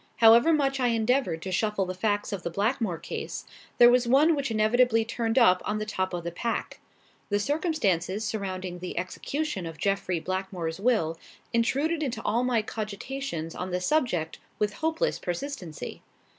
However much I endeavoured to shuffle the facts of the Blackmore case, there was one which inevitably turned up on the top of the pack. The circumstances surrounding the execution of Jeffrey Blackmore's will intruded into all my cogitations on the subject with hopeless persistency.